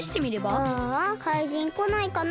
ああかいじんこないかな。